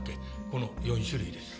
この４種類です。